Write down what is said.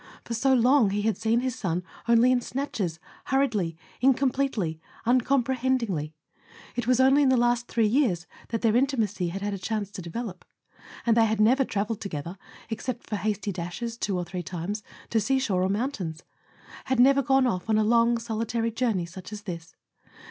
For so long he had seen his son only in snatches, hurriedly, incompletely, uncomprehendingly: it was only in the last three years that their intimacy had had a chance to develop. And they had never travelled together, except for hasty dashes, two or three times, to sea¬ shore or mountains; had never gone off on a long soli¬ tary journey such as this.